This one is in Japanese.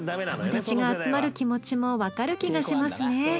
友達が集まる気持ちもわかる気がしますね。